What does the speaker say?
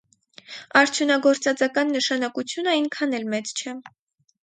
Արդյունագործածական նշանակությունը այնքան էլ մեծ չէ։